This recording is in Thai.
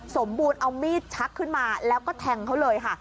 สมบูรณ์เอามีดชักขึ้นมาแล้วก็แทงเขาเลยค่ะ